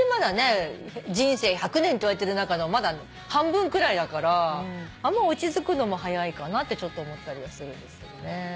人生１００年っていわれてる中のまだ半分くらいだからあんま落ち着くのも早いかなってちょっと思ったりはするんですけどね。